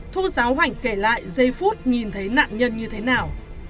thu giáo hoành kể lại giây phút nhìn thấy nạn nhân như thế nào